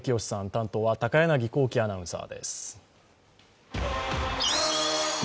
担当は高柳光希アナウンサーです。